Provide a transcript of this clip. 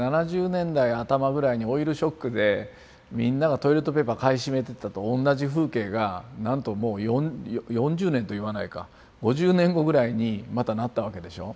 ７０年代頭ぐらいにオイルショックでみんながトイレットペーパー買い占めてたのと同じ風景がなんともう４０年といわないか５０年後ぐらいにまたなったわけでしょ。